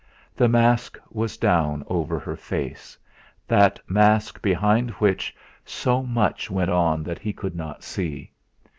The mask was down over her face, that mask behind which so much went on that he could not see.